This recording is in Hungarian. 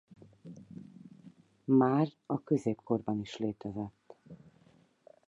Már a középkorban is létezett.